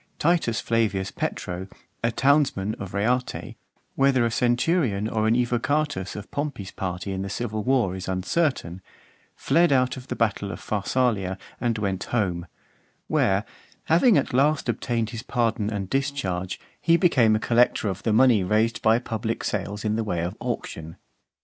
Titus Flavius Petro, a townsman of Reate , whether a centurion or an evocatus of Pompey's party in the civil war, is uncertain, fled out of the battle of Pharsalia and went home; where, having at last obtained his pardon and discharge, he became a collector of the money raised by public sales in the way of auction.